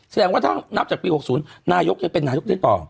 แสดงว่าถ้านับจากปี๖๐นายกยังเป็นนายกได้ต่อ